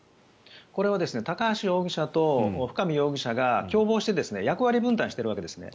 これは高橋容疑者と深見容疑者が共謀して役割分担しているわけですね。